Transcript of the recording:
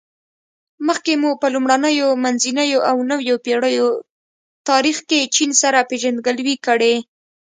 مخکې مو په لومړنیو، منځنیو او نویو پېړیو تاریخ کې چین سره پېژندګلوي کړې.